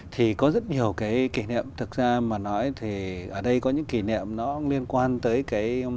thì có rất nhiều kỷ niệm thực ra mà nói thì ở đây có những kỷ niệm liên quan tới nội dung chuyên môn của mình